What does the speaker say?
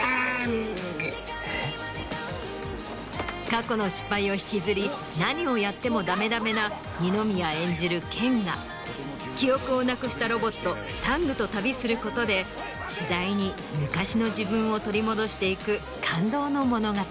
過去の失敗を引きずり何をやってもダメダメな二宮演じる健が記憶をなくしたロボットタングと旅することで次第に昔の自分を取り戻していく感動の物語。